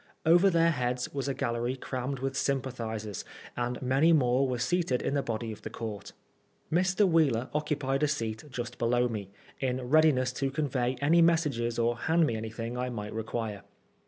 Over their heads was a gallery crammed with sympathisers, and many more were seated in the body of the court. Mr. Wheeler occupied a seat just below me, in readiness to convey any messages or hand me anything I might require.